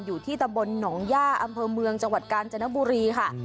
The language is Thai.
อยู่ที่ตำบลหนองย่าอำเภอเมืองจังหวัดกาญจนบุรีค่ะ